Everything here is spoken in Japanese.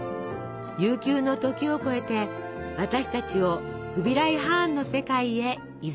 悠久の時を超えて私たちをフビライ・ハーンの世界へいざないます。